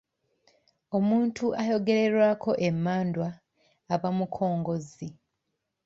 Omuntu ayogererwako emmandwa aba mukongozzi.